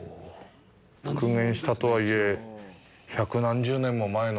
復元したとはいえ、百何十年も前の。